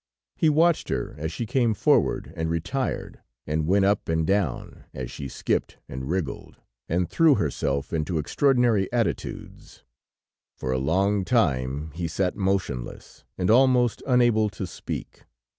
He watched her as she came forward and retired, and went up and down, as she skipped and wriggled, and threw herself into extraordinary attitudes. For a long time he sat motionless and almost unable to speak.